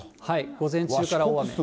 午前中から大雨。